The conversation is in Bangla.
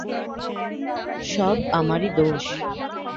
সব আমার-ই দোষ।